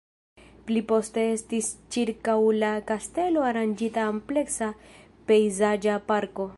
Pli poste estis ĉirkaŭ la kastelo aranĝita ampleksa pejzaĝa parko.